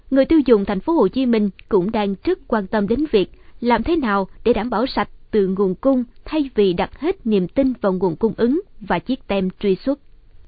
người tiêu dùng thành phố hồ chí minh cũng đang rất quan tâm đến việc làm thế nào để đảm bảo sạch từ nguồn cung thay vì đặt hết niềm tin vào nguồn cung ứng và chiếc tem truy xuất